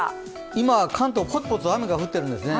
今、関東ポツポツ雨が降っているんですね。